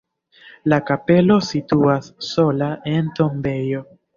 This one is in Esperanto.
La kapelo situas sola en tombejo.